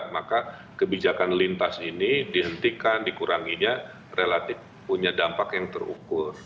maka kebijakan lintas ini dihentikan dikuranginya relatif punya dampak yang terukur